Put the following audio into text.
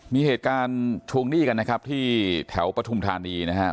มีเหตุการณ์ทวงหนี้กันนะครับที่แถวปฐุมธานีนะครับ